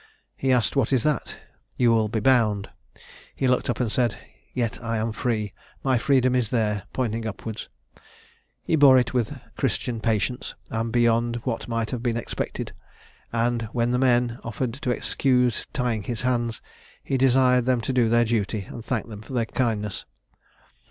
He asked 'What is that?' 'You will be bound.' He looked up, and said, 'Yet I am free; my freedom is there,' pointing upwards. He bore it with Christian patience, and beyond what might have been expected; and, when the men offered to excuse tying his hands, he desired them to do their duty, and thanked them for their kindness.